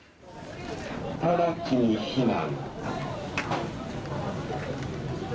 直ちに避難。